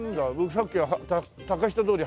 さっき竹下通り